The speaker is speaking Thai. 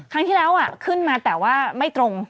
ครั้งที่แล้วขึ้นมาแต่ว่าไม่ตรง